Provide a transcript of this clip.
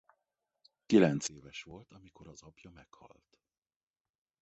Kilencéves volt amikor az apja meghalt.